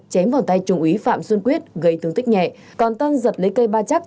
chém vào tay trùng úy phạm xuân quyết gây tương tích nhẹ còn tân giật lấy cây ba chắc